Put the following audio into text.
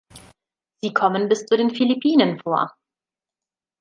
Sie kommen bis zu den Philippinen vor.